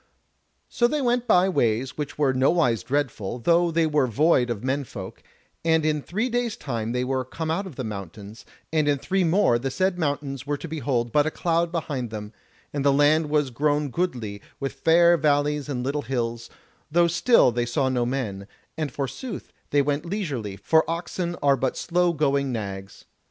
So they went by ways which were nowise dreadful, though they were void of men folk, and in three days' time they were come out of the mountains, and in three more the said mountains were to behold but a cloud behind them, and the land was grown goodly, with fair valleys and little hills, though still they saw no men, and forsooth they went leisurely, for oxen are but slow going nags.